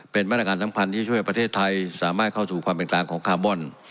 เป็นมาตรการสำคัญที่ช่วยประเทศไทยสามารถเข้าสู่ความเป็นกลางของคาร์บอน